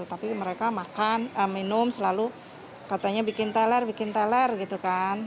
tapi mereka makan minum selalu katanya bikin teller bikin teler gitu kan